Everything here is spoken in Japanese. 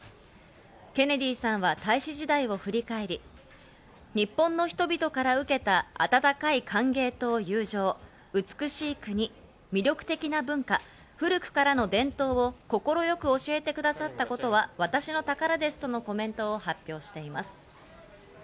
ケネディさんは大使時代を振り返り、日本の人々から受けた温かい歓迎と友情、美しい国、魅力的な文化、古くからの伝統を快く教えてくださったことは私の宝ですとのコメントを発表しています。